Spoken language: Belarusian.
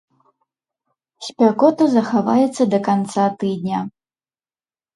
Спякота захаваецца да канца тыдня.